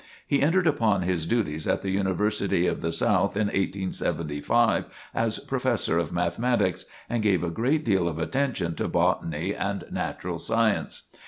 He entered upon his duties in the University of the South in 1875, as Professor of Mathematics and gave a great deal of attention to botany and natural science.